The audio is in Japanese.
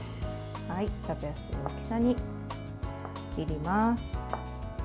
食べやすい大きさに切ります。